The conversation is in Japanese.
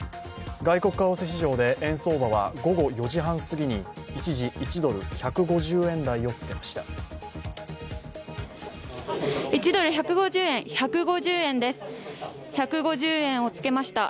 外国為替市場で円相場は午後４時半すぎに一時１ドル＝１５０円台をつけました。